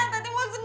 tadi mau ngejahat